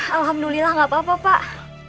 alhamdulillah gak apa apa pak